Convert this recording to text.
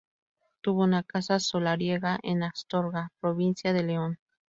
Tuvo una casa solariega en Astorga, provincia de León.